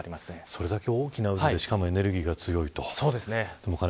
それだけ大きな強い渦でエネルギーが強いと。